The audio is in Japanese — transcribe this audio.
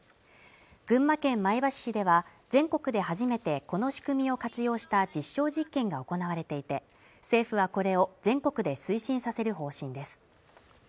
群馬県前橋市では全国で初めてこの仕組みを活用した実証実験が行われていて政府はこれを全国で推進させる方針です